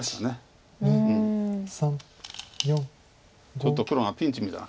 ちょっと黒がピンチみたいな。